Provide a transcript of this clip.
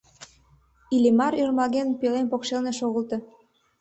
Иллимар ӧрмалген пӧлем покшелне шогылто.